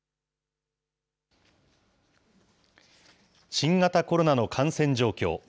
新型コロナの感染状況。